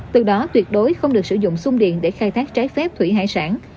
từ đó tuyệt đối không được sử dụng sung điện để khai thác trái phép thủy hải sản